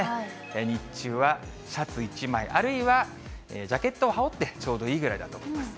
日中はシャツ１枚、あるいはジャケットを羽織ってちょうどいいぐらいだと思います。